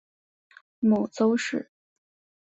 母邹氏。